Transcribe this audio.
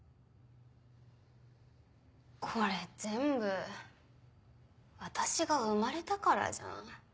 これ全部私が生まれたからじゃん。